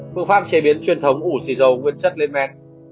phương pháp chế biến truyền thống ủ xì dầu nguyên chất lên men